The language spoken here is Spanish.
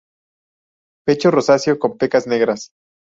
Pecho rosáceo con pecas negras.